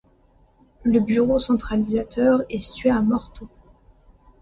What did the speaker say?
Le bureau centralisateur est situé à Morteau.